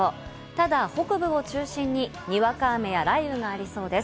ただ北部を中心ににわか雨や雷雨がありそうです。